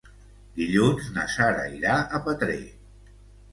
Dilluns na Sara irà a Petrer.